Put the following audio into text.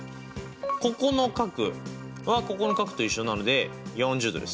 ここの角はここの角と一緒なので４０°ですね。